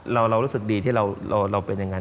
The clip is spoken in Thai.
เรารู้สึกดีที่เราเป็นอย่างนั้น